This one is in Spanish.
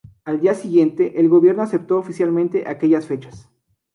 Al día siguiente, el gobierno aceptó oficialmente aquellas fechas.